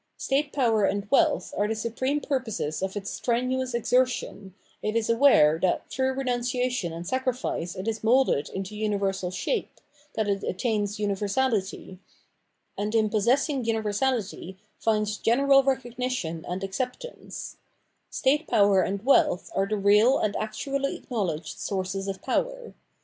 State power and wealth are the supreme purposes of its strenuous exertion, it is aware that through renunciation and sacrifice it is moulded into universal shape, that it attams universality, and in possessing universality finds general recognition and acceptance : state power and wealth are the real and actually acknowledged sources of power.